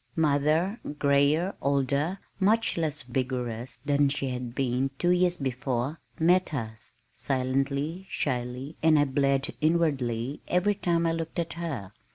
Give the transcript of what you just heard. Mother, grayer, older, much less vigorous than she had been two years before, met us, silently, shyly, and I bled, inwardly, every time I looked at her.